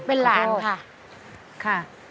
เป็นหลานค่ะ